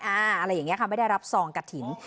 อะไรอย่างนี้ค่ะไม่ได้รับซองกระถิ่น